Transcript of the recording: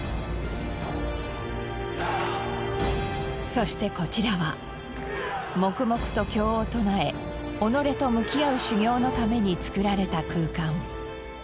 そしてこちらは黙々と経を唱え己と向き合う修行のためにつくられた空間。